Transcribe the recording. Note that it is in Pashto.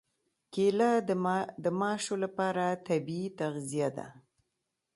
کېله د ماشو لپاره طبیعي تغذیه ده.